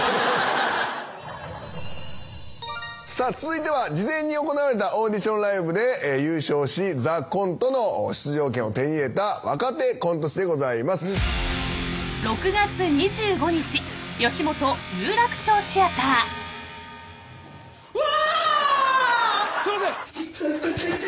さあ続いては事前に行われたオーディションライブで優勝し『ＴＨＥＣＯＮＴＥ』の出場権を手に入れた若手コント師でございます。わ！